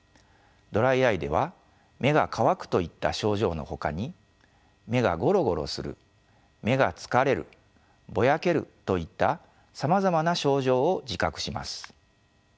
ドライアイでは目が乾くといった症状のほかに目がごろごろする目が疲れるぼやけるといったさまざまな症状を自覚します。